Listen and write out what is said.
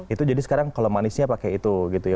itu jadi sekarang kalau manisnya pakai itu gitu ya